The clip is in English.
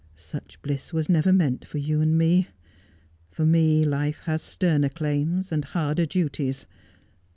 Such bliss was never meant for you and me. Eor me life has sterner claims and harder duties.